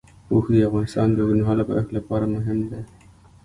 اوښ د افغانستان د اوږدمهاله پایښت لپاره مهم دی.